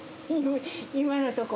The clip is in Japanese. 今のとこ。